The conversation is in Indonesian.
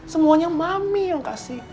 semuanya mami yang kasih